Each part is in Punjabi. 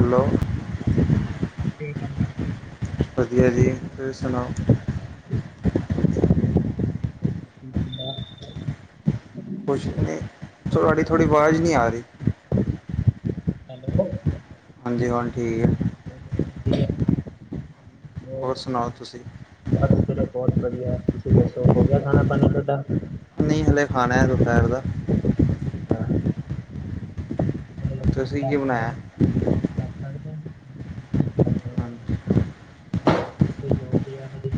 ਹੈਲੌ। ਹਾਂਜੀ, ਸਤਿ ਸ੍ਰੀ ਅਕਾਲ ਜੀ। ਵਧੀਆ ਜੀ ਤੁਸੀਂ ਸੁਣਾਓ? ਕਆ ਬਸਤੀ ਬੰਡਾ ਕੁਛ ਨਹੀਂ ਤੁਹਾਡੀ ਥੋੜ੍ਹੀ ਆਵਾਜ਼ ਨਹੀਂ ਆ ਰਹੀ। ਹੈਲੋ। ਹਾਂਜੀ ਹਾਂਣ ਠੀਕ ਆ। ਧ ਹੋਰ ਸੁਣਾਓ ਤੁਸੀਂ ਬਸ ਫੇਿਰ ਬਹੁਤ ਵਧੀਆ ਤੁਸੀਂ ਦੱਸੋ ਹੋ ਗਿਆ ਖਾਣਾ ਪਾਣੀ ਤੁਹਾਡਾ? ਨਹੀਂ ਹਲੇ ਖਾਣਾ ਦੋਪੈਰ ਦਾ। ਹਾਂ, ਤੁਸੀਂ ਕੀ ਬਣਾਇਆ ਦ ਸਕਦੇ ਹ ਕੀ ਖ ਹਾਂਜੀ ਕੋਈ ਜੋ ਗਿਆ ਆ ਹਜੇ।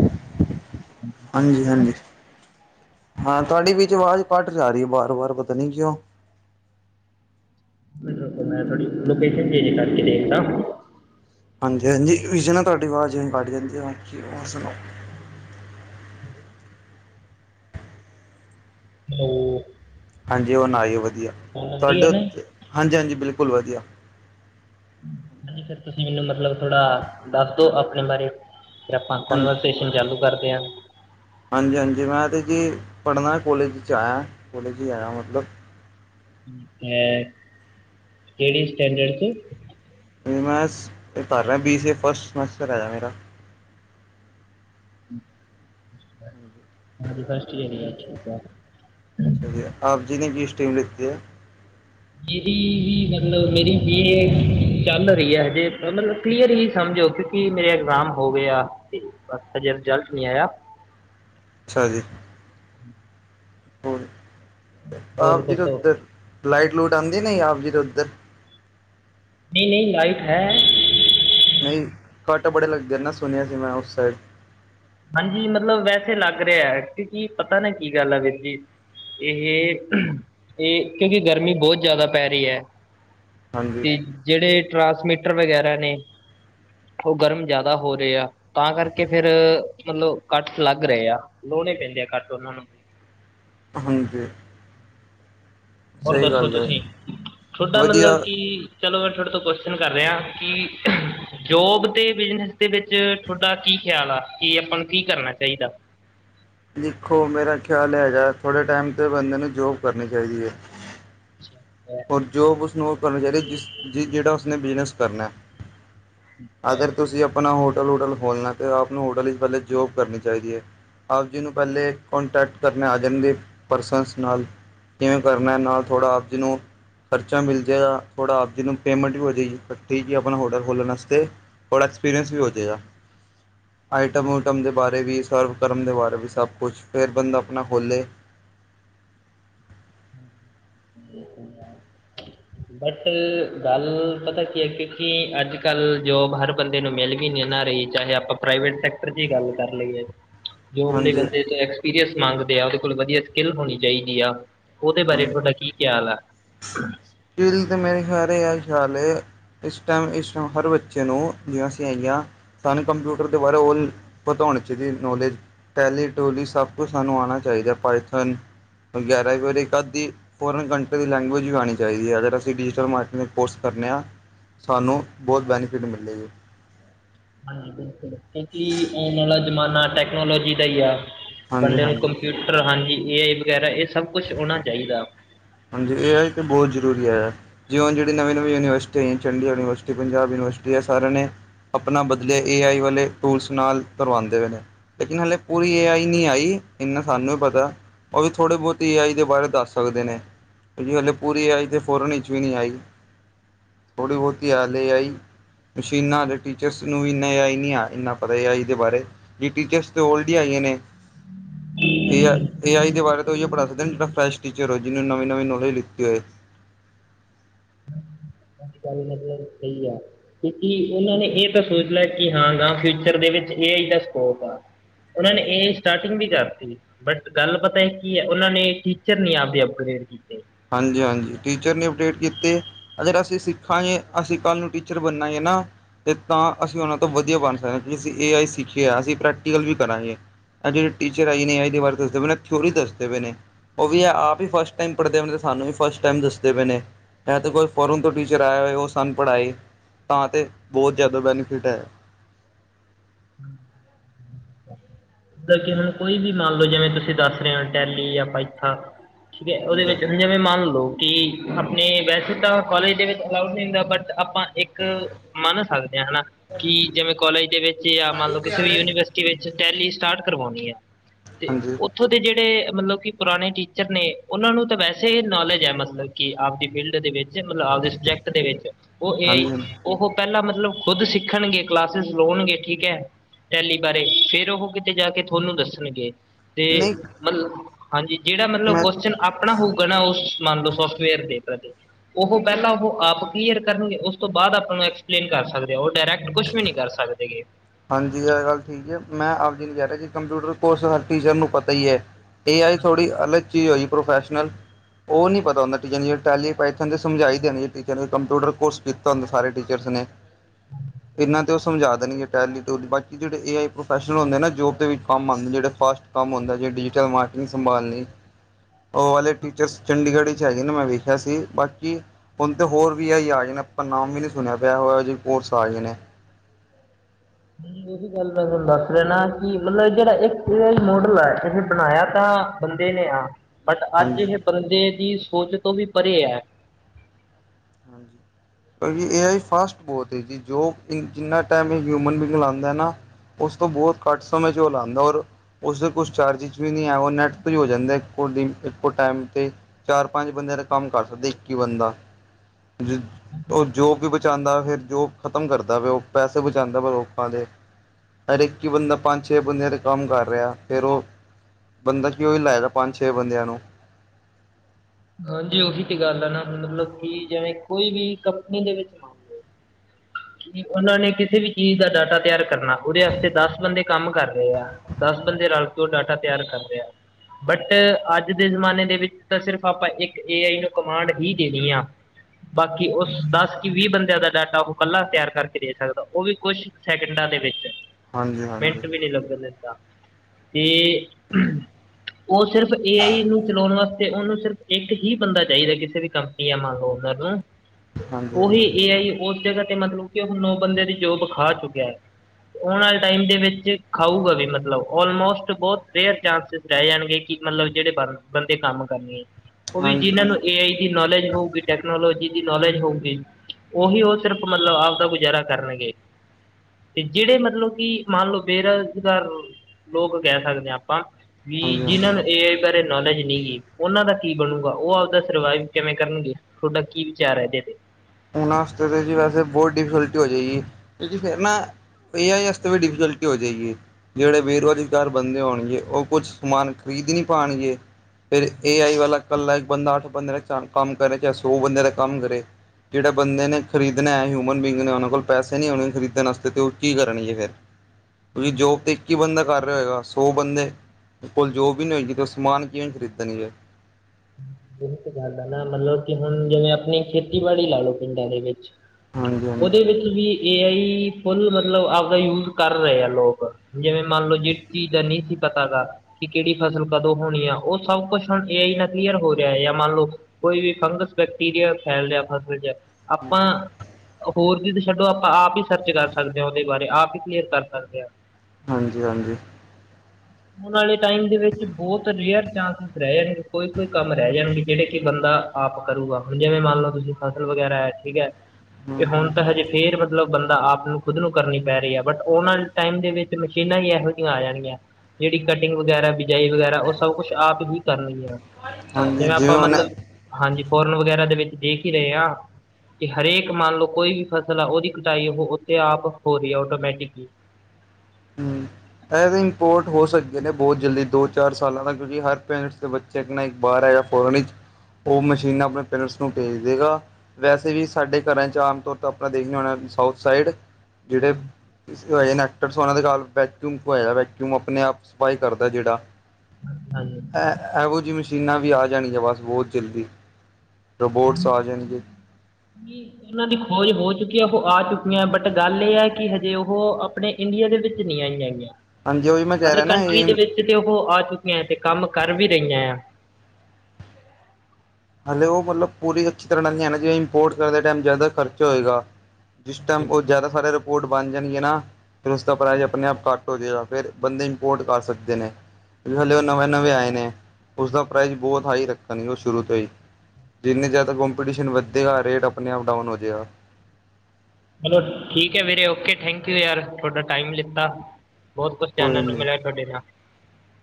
ਹਾਂਜੀ। ਹਾਂਜੀ ਹਾਂਜੀ ਹਾਂ ਤੁਹਾਡੀ ਵਿੱਚ ਆਵਾਜ਼ ਘੱਟ ਜਾ ਰਹੀ ਹੈ ਵਾਰ ਵਾਰ ਪਤਾ ਨਹੀਂ ਕਿਉਂ? ਮਲ ਮੈਂ ਤੁਥਹਾੜੀ ਲੋਕੇਸ਼ਨ ਚੇਂਜ ਕਰਕੇ ਦੇਖਦਾ। ਹਾਂਜੀ, ਹਾਂਜੀ ਵਿਚੇ ਨਾ ਤੁਹਾਡੀ ਆਵਾਜ਼ ਜਿਵੇ ਕਟ ਜਾਂਦੀ ਆ ਕੀ ਹੋਰ ਸੁਣਾਓ। [inaudible] ਉਹ ਹਾਂਜੀ ਉਹ ਨਹੀ ਓ ਵਧੀਆ ਆ ਰਹੀ ਹੈ ਤੁਹਾਡੇ ਨਾ ਹਾਂਜੀ ਹਾਂਜੀ ਬਿਲਕੁਲ ਵਧੀਆ। ਹਾਂਜੀ, ਫਿਰ ਤੁਸੀਂ ਮੈਨੂੰ ਮਤਲਬ ਥੋੜਾ ਦੱਸ ਦੋ ਆਪਣੇ ਬਾਰੇ। ਫਿਰ ਆਪਾਂ ਹਾਂਜੀ ਕਨਵਰਸੇਸ਼ਨ ਚਾਲੂ ਕਰਦੇ ਹਾਂ। ਹਾਂਜੀ ਹਾਂਜੀ ਮੈਂ ਤਾਂ ਜੀ ਪੜ੍ਹਨਾ ਕੋਲੇਜ 'ਚ ਆਇਆ ਕੋਲੇਜ 'ਚ ਆਇਆ ਮਤਲਬ ਤੇ ਕਿਹੜੀ ਸਟੈਂਡਡ ਚੋ ਮੈਂ ਤਾਰਾ B C A first semester ਹੈਗਾ ਮੇਰਾ। ਅੱਛਾ, ਹਾਂਜੀ ਫਸਟ ਯੀਅਰ ਹੈ ਹਜੇ। ਚੋਲੋ, ਆਪ ਜੀ ਨੇ ਕੀ ਸਟੀਮ ਲੀਤੀ ਹੈ। ਜੇਹਦੀ ਵੀ ਮਤਲਬ ਮੇਰੀ ਬੀ, ਏ। ਚੱਲ ਰਹੀ ਹੈ। ਹਜੇ ਮਤਲਬ ਕਲੀਅਰ ਹੀ ਸਮਝੋ ਕਿਉਂਕਿ ਮੇਰੇ ਇਗਜ਼ਾਮ ਹੋ ਗਏ ਆ ਤੇ ਬਸ ਅਜੇ ਰਿਜਲਟ ਨਹੀਂ ਆਇਆ। ਅੱਛਾ ਜੀ। ਹੋਰ ਹੋਰ ਆਪ ਜੀ ਤਾਂ ਦੱਸੋ ਉੱਧਰ ਲਾਈਟ ਲੂਟ ਆਉਂਦੀ ਨੇਈ ਆਪ ਜੀ ਤਾਂ ਉੱਧਰ ਨਹੀਂ- ਨਹੀਂ ਲਾਈਟ ਹੈ। ਨਹੀਂ ਕਟ ਬੜੇ ਲੱਗਦੇ ਨੇ ਸੁਣਿਆ ਸੀ, ਮੈਂ ਉਸ ਸਾਈਡ। ਹਾਂਜੀ, ਮਤਲਬ ਵੈਸੇ ਲੱਗ ਰਿਹਾ ਕਿਉਂਕਿ ਪਤਾ ਨਾ ਕੀ ਗੱਲ ਹੈ ਵੀਰ ਜੀ। ਇਹ-ਇਹ ਕਿਉਂਕਿ ਗਰਮੀ ਬਹੁਤ ਜ਼ਿਆਦਾ ਪੈ ਰਹੀ ਹੈ। ਹਾਂਜੀ ਤੇ ਜਿਹੜੇ ਟ੍ਰਾਂਸਮੀਟਰ ਵਗੈਰਾ ਨੇ, ਉਹ ਗਰਮ ਜ਼ਿਆਦਾ ਹੋ ਰਹੇ ਆ। ਤਾਂ ਕਰਕੇ ਫੇਰ- ਮਤਲਬ ਕੱਟ ਲੱਗ ਰਹੇ ਆ। ਲਾਉਣੇ ਪੈਂਦੇ ਆ ਕੱਟ ਉਹਨਾਂ ਨੂੰ। ਹਾਂਜੀ। ਹੋਰ ਸਹੀ ਦੱਸੋ ਗੱਲ ਹੈ ਤੁਸੀਂ, ਤੁਹਾਡਾ ਮਤਲਬ ਵਧੀਆ ਕਿ- ਚਲੋ ਮੈਂ ਤੁਹਾਡੇ ਤੋਂ ਕੋਸ਼ਚਨ ਕਰ ਰਿਹਾ। ਕਿ ਜੋਬ ਤੇ ਬਿਜਨਸ ਦੇ ਵਿਚ ਤੁਹਾਡਾ ਕੀ ਖਿਆਲ ਆ। ਇਹ ਆਪਾਂ ਨੂੰ ਕੀ ਕਰਨਾ ਚਾਹੀਦਾ। ਦੇਖੋ ਮੇਰਾ ਖਿਆਲ ਹੈਗਾ। ਥੋੜੇ ਟਾਈਮ ਤਾ ਬੰਦੇ ਨੂੰ ਜੋਬ ਕਰਨੀ ਚਾਹੀਦੀ ਹੈ। ਅੱਛਾ [unintelligible] ਔਰ ਜੋਬ ਉਸਨੂੰ ਉਹ ਕਰਨੀ ਚਾਹੀਦੀ ਏ, ਜਹੜਾ ਉਸਨੇ ਬਿਜ਼ਨਸ ਕਰਨਾ ਏ। ਅਗਰ ਤੁਸੀਂ ਆਪਣਾ ਹੋਟਲ- ਹੋਟਲ ਖੋਲਣਾ ਤਾਂ। ਆਪ ਨੂੰ ਹੋਟਲ ਵਿਚ ਪਹਲੇ ਜੋਬ ਕਰਨੀ ਚਾਹੀਦੀ ਹੈ। ਆਪ ਜੀ ਨੂੰ ਪਹਿਲੇ ਕੋਂਨਟੈਕਟ ਕਰਨ ਆ ਜਾਣਗੇ ਪਰਸਨਸ ਨੌਲੇਜ। ਕਿਵੇ ਕਰਨਾ ਨਾਲ, ਥੋੜਾ ਆਪ ਜਿਹ ਨੂੰ ਖਰਚਾ ਮਿਲ ਜਾਏਗਾ। ਥੋੜੀ ਆਪ ਜੀ ਨੂੰ ਪੇਮੈਂਟ ਵੀ ਹੋ ਜਾਵੇਗੀ ਠੀਕ ਜੀ ਆਪਾ ਨੂੰ ਹੋਡਲ ਖੋਲਣ ਵਾਸਤੇ। ਔਰ ਐਕਸਪੀਰੀਅੰਸ ਵੀ ਹੋ ਜਾਏਗਾ। ਆਈਟਮ ਊਟਮ ਦੇ ਬਾਰੇ ਵੀ, ਸਰਵ ਕਰਨ ਦੇ ਬਾਰੇ ਵੀ, ਸਭ ਕੁਛ। ਫੇਰ ਬੰਦਾ ਆਪਣਾ ਖੋਲੇ। [inaudible] [inaudible] ਬਟ ਗੱਲ ਪਤਾ ਕੀ ਹੈ, ਕਿਉਂਕਿ ਅੱਜ ਕੱਲ ਜੋਬ ਹਰ- ਬੰਦੇ ਨੂੰ ਮਿਲ ਵੀ ਨਹੀਂ ਨਾ ਰਹੀ। ਚਾਹੇ ਆਪਾਂ ਪ੍ਰਾਈਵੇਟ ਸੈਕਟਰ ਚ ਗੱਲ ਕਰ ਲਈਏ। ਜੋਬ ਦੇ ਹਾਂਜੀ ਬੰਦੇ ਤੋਂ ਐਕਸਪੀਰੀਅੰਸ ਮੰਗਦੇ ਆ। ਉਹਦੇ ਕੋਲ ਵਧੀਆ ਸਕਿੱਲ ਹੋਣੀ ਚਾਹੀਦੀ ਆ। ਉਹਦੇ ਬਾਰੇ ਹਾਂਜੀ ਤੁਹਾਡਾ ਕੀ ਖਿਆਲ ਆ। ਦਿਲ ਤੇ ਮੇਰੇ ਇਹੀ ਖਿਆਲ ਏ। ਇਸ ਟਾਈਮ, ਇਸ ਟਾਈਮ ਹਰ ਬੱਚੇ ਨੂੰ ਜਿਵੇਂ ਅਸੀਂ ਹੈਗੇ ਆ। ਸਾਨੂੰ ਕੰਪਿਊਟਰ ਦੇ ਬਾਰੇ, ਉਹ ਪਤਾ ਹੋਣੀ ਚਾਹੀਦੀ ਨੌਲੇਜ। ਟੈਲੀ- ਟੋਲੀ ਸਭ ਕੁਝ ਸਾਨੂੰ ਆਉਣਾ ਚਾਹੀਦਾ। ਪਾਈਥਨ- ਗਲ ਆ ਵੀਰੇ ਇੱਕ-ਅੱਧੀ ਫੋਰਨ ਕੰਟਰੀ ਦੀ ਲੈਂਗੁਏਜ ਵੀ ਆਣੀ ਚਾਹੀਦੀ। ਚਾਹੀਦੀ ਹੈ। ਅਗਰ ਅਸੀਂ ਡਿਜੀਟਲ ਮਾਰਕੀਟਿੰਗ ਕੋਰਸ ਕਰਨੇ ਹਾਂ। ਸਾਨੂੰ ਬਹੁਤ ਬੈਨੀਫਿਟ ਮਿਲੇਗੀ। ਹਾਂਜੀ ਬਿਲਕੁਲ! ਕਿਉਂਕਿ ਆਉਣ ਵਾਲਾ ਜਮਾਨਾ ਟੈਕਨੋਲੋਜੀ ਦਾ ਹੀ ਆ। ਹਾਂਜੀ ਬੰਦੇ ਨੂੰ ਹਾਂਜੀ ਕੰਪਿਊਟਰ ਹਾਂਜੀ, ਏ ਆਈ ਵਗੈਰਾ ਇਹ ਸਭ ਕੁਛ ਹੋਣਾ ਚਾਹੀਦਾ ਵਾ। ਹਾਂਜੀ, ਏ ਆਈ ਤੇ ਬਹੁਤ ਜ਼ਰੂਰੀ ਹੈ। ਜਿਵੇਹੜੀ ਹੁਣ ਨਵੀਂ-ਨਵੀ ਯਨੀਵਰਟੀ ਆਈਆਂੰ ਚੰਡੀਗੜ੍ਹ ਯੂਨੀਵਸਿਟੀ, ਪੰਜਾਬ ਯੂਨੀਵਰਸਿਟੀ ਆ ਸਾਰ ਨੇ ਆਪਣਾ ਬਦਲੇ ਏ ਆਈ ਵਾਲੇ ਟੂਲਸ ਨਾਲ ਕਰਵਾਉਦੇ ਪਏ ਨੇ। ਲੇਕਿਨ ਹਾਲਲੇ ਪੂਰੀ ਏ ਆਈ, ਨਹੀ ਆਈ। ਇਨਾ ਸਾਨੂੰ ਵੀ ਪਤਾ। ਉਹ ਵੀ ਥੋੜੇ ਬਹੁਤ ਏ ਆਈ, ਦੇ ਬਾਰੇ ਦੱਸ ਸਕਦੇ ਨੇ ਹਲੇ ਪੂਰੀ ਆਈ ਤੇ ਫੋਰਨ ਵੀਚ ਵੀ ਨਹੀ ਆਈ। ਥੋੜੀ ਬਹੁਤੀ ਹਲੇ ਏ ਆਈ। ਮਸ਼ੀਨਾਂ ਹਲੇ ਟੀਚਰਸ ਨੂੰ ਵੀ, ਇੰਨਾ ਆ ਹੀ ਨਹੀਆ ਪਤਾ ਏਆਈ ਦੇ ਬਾਰੇ। ਟੀਚਰਸ ਤੇ ਓਲਡ ਹੀ ਆਈਆਂ ਨੇ। ਏ ਏ ਆਈ ਦੇ ਬਾਰੇ ਤੋਂ ਪੜਾ ਸਕਦੇ, ਜਿਹੜਾ ਫਰੈਸ਼ ਟੀਚਰ ਹੋਏ। ਜਿਹਨੇ ਨਵੀ- ਨਵੀ ਨੌਲੇਜ ਲਿਤੀ ਹੋਏ। ਮਤਲਬ ਸਹੀ ਆ ਕਿਉਕਿ ਉਹਨਾਂ ਨੇ ਇਹ ਤਾਂ ਸੋਚ ਲਿਆ। ਕਿ ਹਾਂ ਨਾ ਫਿਊਚਰ ਦੇ ਵਿਚ ਏ ਆਈ ਦਾ ਸਕੋਪ ਹੈ। ਉਹਨਾਂ ਨੇ ਹਾਂਜੀ ਇਹ ਸਟਾਰਟਿੰਗ ਵੀ ਕਰਤੀ ਬਟ ਗੱਲ ਪਤਾ ਹੈ। ਕੀ ਹੈ। ਉਹਨਾਂ ਨੇ ਟੀਚਰ ਨੀ ਆਪ ਦੇ ਅਪ ਡੇਟ ਕੀਤੇ। ਹਾਂਜੀ- ਹਾਂਜੀ ਟੀਚਰ ਨੀ ਅਪਡੇਟ ਕੀਤੇ। ਅਗਰ ਅਸੀ ਸਿੱਖਾਂਗੇ। ਅਸੀ ਕਲ ਨੂੰ ਟੀਚਰ ਬਣਨਾ ਏ ਨਾ। ਤੇ ਤਾਂ ਅਸੀ ਉਹਨਾਂ ਤੋਂ ਵਧੀਆ ਬਣ ਸਕਦੇ ਹਾਂ। ਕਿ ਅਸੀਂ ਏ ਆਈ ਸਿੱਖੀਏ, ਅਸੀ ਪ੍ਰੈਕਟੀਕਲ ਵੀ ਕਰਾਂਗੇ। ਅੱਜ ਜਿਹੜੇ ਟੀਚਰ ਆਈ ਨੇ ਇਹਦੇ ਬਾਰੇ ਦੱਸਦੇ ਪਏ ਨੇ, ਥਿਊਰੀ ਦੱਸਦੇ ਪਏ ਨੇ। ਉਹ ਵੀ, ਆਪ ਹੀ ਫਸਟ ਟਾਈਮ ਪੜਦੇ ਹੰਦੇ ਸਾਨੂੰ ਹੀ ਫਸਟ ਟਾਈਮ ਦੱਸਦੇ ਪਏ ਨੇ, ਐ ਤਾਂ ਕੋਈ ਫੋਰਨ ਤੋਂ ਟੀਚਰ ਆਇਆ ਹੋਏ, ਉਹ ਸਾੰਨ ਪੜ੍ਹਾਏ ਤਾਂ ਤੇ, ਬਹੁਤ ਜ਼ਿਆਦਾ ਬੈਨੀਫਿਟ ਹੈ। ਜਿੱਦਾਂ ਕਿ ਹੁਣ ਕੋਈ ਵੀ ਮੰਨ ਲਓ, ਜਿਵੇ ਤੁਸੀ ਦੱਸ ਰਹੇ ਹੋ, ਟੈਲੀ ਯਾ ਪਾਈਥਾ ਠੀਕ ਐ, ਉਹਦੇ ਵਿਚ ਹਾ ਜਿਵੇਂ ਮੰਨ ਲਓ ਕਿ, ਆਪਣੇ ਵੈਸੇ ਤਾਂ ਕਾਲਜ ਦੇ ਵਿਚ ਅਲਾਊਡ ਨਹੀ ਹੁੰਦਾ, ਬਟ ਆਪਾਂ ਇਕ ਮੰਨ ਸਕਦੇ ਹਾਂ, ਹਨਾ। ਕਿ, ਜਿਂਵੇ ਕੌਲੇਜ ਦੇ ਵਿਚ ਯਾ ਮੰਨ ਲਓ ਕਿਸੇ ਵੀ ਯੂਨੀਵਰਸਿਟੀ ਕਿ ਵਿਚ, ਟੈਲੀ ਸਟਾਰਟ ਕਰਵਾਉਣੀ ਐਂ, ਤੇ ਹਾਂਜੀ-ਹਾਂਜੀ, ਉਥੋਂ ਦੇ ਜਿਹੜੇ, ਮਤਲਬ ਕਿ ਪੁਰਾਣੇ ਟੀਚਰ ਨੇ ਉਹਨਾਂ ਨੂੰ ਤਾਂ ਵੈਸੇ ਨੌਲੇਜ ਹੈ। ਮਤਲਬ ਕਿ ਆਪਦੀ ਫੀਲਡ ਦੇ ਵਿਚ, ਮਤਲਬ ਆਪਦੇ ਸਬਜੈਕਟ ਦੇ ਵਿਚ, ਉਹ ਏ ਆਈ ਹਾਂਜੀ-ਹਾਂਜੀ ਉਹ ਪਹਿਲਾਂ ਮਤਲਬ ਖੁੱਦ ਸਿੱਖਣਗੇ, ਕਲਾਸਿਸ ਲਾਉਣਗੇ ਠੀਕ ਹੈ। ਟੈਲੀ ਬਾਰੇ, ਫੇਰ ਉਹ ਕਿ ਕਿੱਥੇ ਜਾਕੇ ਥੋਨੁੰ ਦੱਸਣਗੇ, ਤੇ ਨਹੀਂ ਮਤਲ ਹਾਂਜੀ, ਜਿਹੜਾ ਮਤਲਬ ਮੈਂ ਕੋਸ਼ਚਨ ਆਪਣਾ ਹੋਊਗਾ ਨਾ, ਉਸ ਮੰਨ ਲਓ ਸੋਫਟਵੇਅਰ ਦੇ ਪ੍ਰਤੀ। ਉਹ ਪਹਿਲਾਂ ਉਹ ਆਪ ਕਲੀਅਰ ਕਰਨਗੇ, ਉਸ ਤੋਂ ਬਾਅਦ ਆਪਾਂ ਨੂੰ ਐਕਸਪਲੇਨ ਕਰ ਸਕਦੇ। ਉਹ ਡਾਇਰੈਕਟ ਕੁਛ ਵੀ ਨਹੀਂ ਕਰ ਸਕਦੇ। ਸਕਦੇ ਗੇ। ਹਾਂਜੀ, ਐ ਗੱਲ ਠੀਕ ਹੈ, ਮੈਂ ਆਪਦੀ ਕਹਿ ਰਿਹਾ ਕਿ, ਕੰਪਿਊਟਰ ਕੋਰਸ ਹਰ ਟੀਚਰ ਨੂੰ ਪਤਾ ਹੀ ਹੈ। ਏ ਆਈ ਹਾਂਜੀ ਥੋੜੀ ਅਲੱਗ ਚੀਜ਼ ਹੋਈ, ਪ੍ਰੋਫੈਸ਼ਨਲ। ਉਹ ਨਹੀਂ ਪਤਾ ਹੁੰਦਾ, ਟੀਚਰ ਜਿੜ ਟੈਲੀ ਪਾਈਥਨ ਦੇ ਸਮਝਾਈ ਦੇਨੀ, ਜ ਟੀਚਰ ਨੇ ਕੰਪਿਊਟਰ ਕੋਰਸ ਕੀਤਾ ਹੁੰਦਾ ਸਾਰੇ ਟੀਚਰਸ ਨੇ। ਇਹਨਾਂ ਤੇ ਉਹ, ਸਮਝਾ ਦੇਣਗੇ। ਟੈਲੀ, ਬਾਕੀ ਜਿਹੜੇ ਏਆਈ ਪ੍ਰੋਫੈਸ਼ਨਲ ਹੁੰਦੇ ਨਾ, ਜੋਬ ਦੇ ਵਿਚ ਕੰਮ ਆਂਦੇ, ਜਿਹੜਾ ਫਾਸਟ ਕੰਮ ਹੁੰਦਾ ਜੇ ਡਿਜੀਟਲ ਮਾਰ ਸੰਭਾਲਣੇ, ਉਹ ਵਾਲੇ ਟੀਚਰਸ ਚੰਡੀਗੜ੍ਹ ਈੱਚ ਹੈਗੇ ਨੇ, ਮੈ ਵੇਖਿਆ ਸੀ, ਬਾਕੀ ਹੁਣ ਤੇ ਹੋਰ ਵੀ ਏਆਈ ਆ ਗਏ ਨੇ, ਆਪਾਂ ਨਾਮ ਵੀ ਨਹੀਂ ਸੁਣਿਆ ਪਿਆ ਹੋਇਆ ਇਹੋ ਜਿਹੇ ਕੋਰਸ ਆ ਗਏ ਨੇ। ਹਮ [inaudible] ਗੱਲ ਮੈਂ ਤੁਹਾਨੂੰ ਦੱਸ ਦੇਂਦਾ, ਕਿ ਮਤਲਬ ਜਿਹੜਾ ਇਕ ਇਹ ਮੋਡਲ ਕਿਸੇ ਬਣਾਇਆ ਤਾਂ ਬੰਦੇ ਨੇ ਆ ਬਟ, ਅੱਜ ਹਾਂਜੀ ਇਹ ਬੰਦੇ ਦੀ ਸੋਚ ਤੋਂ ਵੀ ਪਰੇ ਐ। ਹਾਂਜੀ [inaudible] ਕਿਉਕਿ ਏਆਈ ਫਾਸਟ ਬਹੁਤ ਹੈ ਜੀ, ਜੋ ਜਿੰਨਾ ਟਾਈਮ ਇਹ ਹਿਊਮਨ ਬੀਂਗ ਲਾਂਦਾ ਏ, ਨਾ ਉਸ ਤੋਂ ਬਹੁਤ ਘੱਟ ਸਮੇਂ'ਚ ਉਹ ਲਾਂਦਾ, ਓਰ ਉਸਦੇ ਕੁਛ ਚਾਰਜੇਸ ਵੀ ਨਹੀ ਹੈ, ਉਹ ਨੈੱਟ ਪੇ ਹੋ ਜਾਂਦਾ, ਇਕੋ-ਦਿਨ ਇਕੋ ਟਾਇਮ ਤੇ। ਚਾਰ-ਪੰਜ ਬੰਦਿਆਂ ਦਾ ਕੰਮ ਕਰ ਸਕਦੇ, ਇਕ ਹੀ ਬੰਦਾ। ਉਹ ਜੋ ਵੀ ਬਚਾਂਦਾ, ਫਿਰ ਜੋ ਖਤਮ ਕਰਦਾ ਪਿਆ ਉਹ, ਪੈਸੇ ਬਚਾਂਦਾ ਵਾ ਲੋਕਾਂ ਦੇ। ਹਰ ਇੱਕ ਹੀ ਬੰਦਾ, ਪੰਜ-ਛੇ ਬੰਦਿਆ ਦੇ ਕੰਮ ਕਰ ਰਿਹਾ, ਫਿਰ ਉਹ ਬੰਦਾ ਕਿ, ਉਹ ਹੀ ਲਾਏਗਾ ਪੰਜ-ਛੇ ਬੰਦਿਆਂ ਨੂੰ। ਹਾਂਜੀ, ਉਹੀ ਤੇ ਗੱਲ ਹੈ ਨਾ, ਮਤਲਬ ਕਿ, ਜਿਵੇਂ ਕੋਈ ਵੀ ਕੰਪਨੀ ਦੇ ਵਿੱਚ ਮਾਮਲੇ ਕਿ, ਉਹਨਾਂ ਨੇ ਕਿਸੇ ਵੀ ਚੀਜ਼ ਦਾ ਡਾਟਾ ਤਿਆਰ ਕਰਨਾ, ਉਹਦੇ ਵਾਸਤੇ ਦਸ ਬੰਦੇ ਕੰਮ ਕਰ ਰਹੇ ਆ, ਦੱਸ ਬੰਦੇ ਰਲਕੇ ਉਹ ਡਾਟਾ ਤਿਆਰ ਕਰ ਰਹੇ ਆ। ਬੱਟ, ਅੱਜ ਦੇ ਜ਼ਮਾਨੇ ਦੇ ਵਿੱਚ ਤਾਂ ਸਿਰਫ ਆਪਾ ਇੱਕ ਏ ਆਈ ਨੂੰ ਕਮਾਂਡ ਹੀ ਦੇਣੀ ਆ। ਬਾਕੀ ਉਸ, ਦੱਸ ਕਿ ਵੀਹ ਬੰਦਿਆਂ ਦਾ ਡਾਟਾ ਉਹ ਇਕੱਲਾ ਤਿਆਰ ਕਰਕੇ ਦੇ ਸਕਦਾ, ਉਹ ਵੀ ਕੁਛ ਸੈਕਿੰਡਾਂ ਦੇ ਵਿੱਚ, ਹਾਂਜੀ ਹਾਂਜੀ ਮਿੰਟ ਵੀ ਨੀ ਲੱਗਣ ਦਿੰਦਾ। ਤੇ, ਉਹ ਸਿਰਫ ਏ ਆਈ ਨੂੰ ਚਲਾਉਣ ਵਾਸਤੇ, ਉਹਨੂੰ ਸਿਰਫ ਇੱਕ ਹੀ ਬੰਦਾ ਚਾਹੀਦਾ, ਕਿਸੇ ਵੀ ਕੰਪਨੀ ਮੰਗ ਓਨਰ ਨੂੰ। ਹਾਂਜੀ ਹਾਂਜੀ ਉਹੀ ਇਹ ਹਾਂਜੀ ਏ ਆਈ, ਉਸ ਜਗ੍ਹਾ ਤੇ ਮਤਲਬ ਕਿ ਉਹ ਨੌ ਬੰਦਿਆ ਦੀ ਜੋਬ ਖਾ ਚੁੱਕਿਆ ਹੈ। ਆਉਣ ਵਾਲੇ ਟਾਈਮ ਦੇ ਵਿੱਚ ਖਾਊਗਾ ਵੀ ਮਤਲਬ, ਔਲਮੋਸਟ ਬਹੁਤ ਰੇਅਰ ਚਾਂਸਿਸ ਰਹਿ ਜਾਣਗੇ ਕਿ ਮਤਲਬ, ਜਿਹੜੇ ਬੰ, ਬੰਦੇ ਕੰਮ ਕਰਦੇ ਹੈ। ਉਹ ਵੀ ਜਿਹਨਾਂ ਹਾਂਜੀ ਨੂੰ ਏ ਆਈ ਦੀ ਨੌਲੇਜ ਹੋਊਗੀ, ਟੈਕਨੋਲੋਜੀ ਦੀ ਨੌਲੇਜ ਹੋਊਗੀ ਉਹੀ, ਉਹ ਸਿਰਫ ਮਤਲਬ ਆਪਦਾ ਗੁਜ਼ਾਰਾ ਕਰਨਗੇ। ਤੇ ਜਿਹੜੇ ਮਤਲਬ ਕਿ ਮੰਨ ਲਓ, ਬੇਰੁਜ਼ਗਾਰ ਲੋਕ ਕਹਿ ਸਕਦੇ ਹਾਂ, ਆਪਾਂ ਵੀ ਹਾਂਜੀ ਜਿਹਨਾਂ ਨੂੰ ਏ ਆਈ ਬਾਰੇ ਨੌਲੇਜ ਨਹੀਂ ਗੀ, ਉਹਨਾਂ ਦਾ ਕੀ ਬਣੂਗਾ ਉਹ ਆਪਦਾ ਸਰਵਾਈਵ ਕਿਵੇਂ ਕਰਨਗੇ ਤੁਹਾਡਾ ਕੀ ਵਿਚਾਰ ਹੈ। ਇਹਦੇ ਤੇ ਉਹਨਾਂ ਵਾਸਤੇ ਜੀ ਵੈਸੇ ਬਹੁਤ ਡਿਫੀਕਲਟੀ ਹੋ ਜਾਏਗੀ। ਕਿਉਂਕਿ ਫਿਰ ਨਾ ਏ ਆਈ ਵਾਸਤੇ ਵੀ ਡਿਫੀਕਲਟੀ ਹੋ ਜਾਏਗੀ। ਜਿਹੜੇ ਬੇਰੁਜ਼ਗਾਰ ਬੰਦੇ ਹੋਣਗੇ ਉਹ ਕੁਝ ਸਮਾਨ ਖਰੀਦ ਨਹੀਂ ਪਾਉਣਗੇ। ਫਿਰ ਏ ਆਈ ਵਾਲਾ ਕੱਲਾ ਇੱਕ ਬੰਦਾ ਅੱਠ ਬੰਦੇ ਦਾ ਕੰਮ ਕਰੇ। ਚਾਹੇ ਸੌ ਬੰਦੇੇ ਦਾ ਕੰਮ ਕਰੇ। ਜਿਹੜੇ ਬੰਦੇ ਨੇ ਖਰੀਦਣਾ ਹੈ। ਹਿਊਮਨ ਬੀਗ ਨੇ ਉਹਨਾਂ ਕੋਲ ਪੈੇਸੇ ਨਹੀਂ ਹੋਣਗੇ ਖਰੀਦਣ ਵਾਸਤੇ ਉਹ ਕੀ ਕਰਨਗੇ ਫਿਰ। ਕਿਉਂਕਿ ਜੋਬ ਤੇ ਇੱਕ ਹੀ ਬੰਦਾ ਕਰ ਰਿਹਾ ਹੋਏਗਾ। ਸੌ ਬੰਦੇ ਕੋਲ ਜੋਬ ਵੀ ਨਹੀਂ ਹੋਏਗੀ ਤੇ ਉਹ ਸਮਾਨ ਕਿਵੇਂ ਖਰੀਦਣਗੇ। ਇਹੀ ਤੇ ਗੱਲ ਹੈ ਨਾ ਮਤਲਬ ਕਿ ਹੁਣ ਜਿਵੇਂ ਆਪਣੀ ਖੇਤੀਬਾੜੀ ਲਾ ਲੋ ਪਿੰਡਾਂ ਦੇ ਵਿੱਚ। ਹਾਂਜੀ ਹਾਂਜੀ ਉਹਦੇ ਵਿੱਚ ਵੀ ਏ ਆਈ ਫੁੱਲ ਮਤਲਬ ਆਪਦਾ ਯੂਜ ਕਰ ਰਹੇ ਆ ਲੋਕ। ਜਿਵੇਂ ਮੰਨ ਲਓ ਜੀਤੀ ਦਾ [inaudible] ਨਹੀਂ ਸੀ ਪਤਾ ਦਾ। ਕਿ ਕਿਹੜੀ ਫਸਲ ਕਦੋਂ ਹੋਣੀ ਆ ਉਹ ਸਭ ਕੁਛ ਹੁਣ ਏ ਆਈ ਨਾਲ। ਕਲੀਅਰ ਹੋ ਰਿਹਾ ਹੈ ਜਾਂ ਮੰਨ ਲਓ ਕੋਈ ਵੀ ਫੰਗਸ ਬੈਕਟੀਰੀਆ ਫੈਲ ਰਿਹਾ ਫਸਲ ਚ। ਆਪਾਂ। ਹੋਰ ਵੀ ਤੇ ਛੱਡੋ ਆਪਾਂ ਆਪ ਹੀ ਸਰਚ ਕਰ ਸਕਦੇ ਹਾਂ ਉਹਦੇ ਬਾਰੇ ਆਪ ਹੀ ਕਲੀਅਰ ਕਰ ਸਕਦੇ ਹਾਂ। ਹਾਂਜੀ ਹਾਂਜੀ। ਆਉਣ ਵਾਲੇ ਟਾਈਮ ਦੇ ਵਿੱਚ ਬਹੁਤ ਰੇਅਰ ਚਾਂਸਿਸ ਰਹਿ ਜਾਣਗੇ ਕੋਈ ਕੋਈ ਕੰਮ ਰਹਿ ਜਾਣਗੇ ਜਿਹੜੇ ਕਿ ਬੰਦਾ। ਆਪ ਕਰੂਗਾ ਹੁਣ ਜਿਵੇਂ ਮੰਨ ਲਓ ਤੁਸੀਂ ਫਸਲ ਵਗੈਰਾ ਹੈ ਠੀਕ ਹੈ ਹੂੰ ਇਹ ਹੁਣ ਹੂੰ ਤਾਂ ਹਜੇ ਫੇਰ ਮਤਲਬ। ਬੰਦਾ ਆਪ ਨੂੰ ਖੁਦ ਨੂੰ ਕਰਨੀ ਪੈ ਰਹੀ ਹੈ ਬਟ ਆਉਣ ਵਾਲੇ ਟਾਈਮ ਦੇ ਵਿੱਚ ਮਸ਼ੀਨਾਂ ਹੀ ਇਹੋ ਜਿਹੀਆਂ ਆ ਜਾਣਗੀਆਂ। ਜਿਹੜੀ ਕਟਿੰਗ ਵਗੈਰਾ ਬਿਜਾਈ ਵਗੈਰਾ। ਹਾ ਉਹ ਸਭ ਕੁਛ ਆਪ ਹੀ ਕਰਨਗੀਆਂ। ਜਿਵੇਂ ਹਾਂਜੀ ਜਿਵੇਂ ਆਪਾਂ ਹੁਣ ਮਤਲਬ ਹਾਂਜੀ, ਫੋਰਨ ਵਗੈਰਾ ਦੇ ਵਿੱਚ ਦੇਖ ਹੀ ਰਹੇ ਹਾਂ। ਕਿ ਹਰੇਕ ਮੰਨ ਲਓ ਕੋਈ ਵੀ ਫਸਲ ਆ ਉਹਦੀ ਕਟਾਈ ਉਹ ਉੱਥੇ ਆਪ ਹੋ ਰਹੀ ਹੈ ਆਟੋਮੈਟਿਕਲੀ। ਇਹ ਤਾਂ ਇੰਪੋਰਟ ਹੋ ਸਕਦੇ ਨੇ ਬਹੁਤ ਜਲਦੀ ਦੋ ਚਾਰ ਸਾਲਾਂ ਦਾ ਕਿਉਂਕਿ ਹਰ ਪੇਰੈਂਟਸ ਦੇ ਬੱਚੇ। ਚੈੱਕਣਾ ਇੱਕ ਬਾਹਰ ਹੈਗਾ ਫੋਰਨ, ਵਿੱਚ ਉਹ ਮਸ਼ੀਨਾਂ ਆਪਣੇ ਪੇਰੈਂਟਸ ਨੂੰ ਭੇਜ ਦੇਗਾ। ਵੈਸੇ ਵੀ ਸਾਡੇ ਘਰਾਂ ਚ' ਆਮ ਤੌਰ ਤੇ ਆਪਣਾ ਦੇਖਦੇ ਹੋਣਾ ਸਾਊਥ ਸਾਈਡ। ਜਿਹੜੇ ਏਨ [inaudible] ਐਕਟਰ ਸੋ ਉਹਨਾਂ ਦੇ ਘਰ ਵੈਕਿਊਮ ਹੋਇਆ ਆਪਣੇ ਆਪ ਸਫਾਈ ਕਰਦਾ ਜਿਹੜਾ। ਹਾਂਜੀ। ਐ ਇਹੋ ਜਿਹੀ ਮਸ਼ੀਨਾਂ ਵੀ ਆ ਜਾਣਗੀਆਂ। ਬਸ ਬਹੁਤ ਜਲਦੀ ਰੋਬੋਟਸ ਆ ਜਾਣਗੀਆਂ। ਉਹਨਾਂ ਦੀ ਖੋਜ ਹੋ ਚੁੱਕੀ ਹੈ ਉਹ ਆ ਚੁੱਕੀਆਂ ਬਟ ਗੱਲ ਇਹ ਹੈ। ਕਿ ਹਜੇ ਉਹ ਆਪਣੇ ਇੰਡੀਆ ਦੇ ਵਿੱਚ ਨਹੀਂ ਆਈ ਹੈਗੀਆਂ। ਹਾਂਜੀ ਉਹੀ ਮੈਂ ਕਹਿ ਅਦਰ ਰਿਹਾ ਨਾ ਕੰਟਰੀ ਦੇ ਇਹ ਵਿੱਚ ਤੇ ਉਹ ਆ ਚੁੱਕੀਆਂ ਤੇ ਕੰਮ ਕਰ ਵੀ ਰਹੀਆਂ ਆ। ਹਲੇ ਉਹ ਮਤਲਬ ਪੂਰੀ ਅੱਛੀ ਤਰ੍ਹਾਂ ਨਾਲ ਹੈ ਨਾ ਜਿਵੇਂ ਇੰਪੋਰਟ ਕਰਦੇ ਟਾਈਮ ਜ਼ਿਆਦਾ ਖਰਚਾ ਹੋਏਗਾ। ਜਿਸ ਹਾਂਜੀ ਟਾਈਮ ਉਹ ਜ਼ਿਆਦਾ ਸਾਰੇ। ਪੋਰਟ ਬਣ ਜਾਣਗੇ ਨਾ ਫਿਰ ਉਸਦਾ ਪ੍ਰਾਈਜ਼ ਆਪਣੇ ਆਪ ਘੱਟ ਹੋ ਜਾਵੇਗਾ ਫਿਰ ਬੰਦੇ ਇੰਪੋਰਟ ਕਰ ਸਕਦੇ ਨੇ। ਨਾਲੇ ਉਹ ਨਵੇਂ ਨਵੇਂ ਆਏ ਨੇ ਉਸਦਾ ਪ੍ਰਾਈਜ਼ ਬਹੁਤ ਹਾਈ ਰੱਖਣਗੇ ਉਹ ਸ਼ੁਰੂ ਤੋਂ ਹੀ। ਜਿੰਨੀ ਜ਼ਿਆਦਾ ਕੋਂਪੀਟੀਸ਼ਨ ਵੱਧੇਗਾ ਰੇਟ ਆਪਣੇ ਆਪ ਡਾਊਨ ਹੋ ਜਾਵੇਗਾ। ਚਲੋ ਠੀਕ ਹੈ ਵੀਰੇ ਓਕੇ, ਥੈਂਕ ਯੂ ਯਾਰ, ਤੁਹਾਡਾ ਟਾਈਮ ਲਿੱਤਾ। ਬਹੁਤ ਕੁਛ ਕੋਈ ਜਾਨਣ ਨੂੰ ਨਹੀਂ ਮਿਲਿਆ ਤੁਹਾਡੇ ਨਾਲ।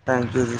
ਥੈਂਕ ਯੂ ਜੀ।